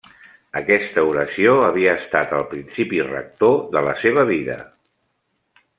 Aquesta oració havia estat el principi rector de la seva vida.